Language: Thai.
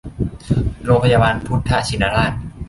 โรงพยาบาลพุทธชินราช